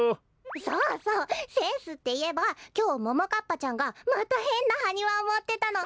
そうそうセンスっていえばきょうももかっぱちゃんがまたへんなハニワをもってたの。